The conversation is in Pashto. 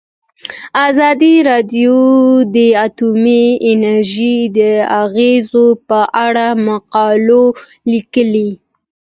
ازادي راډیو د اټومي انرژي د اغیزو په اړه مقالو لیکلي.